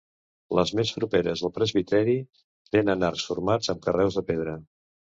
Les més properes al presbiteri tenen arcs formats amb carreus de pedra.